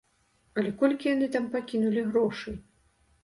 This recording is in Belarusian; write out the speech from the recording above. Але колькі яны там пакінулі грошай?